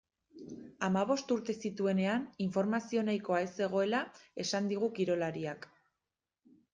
Hamabost urte zituenean informazio nahikoa ez zegoela esan digu kirolariak.